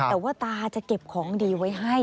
แต่ว่าตาจะเก็บของดีไว้ให้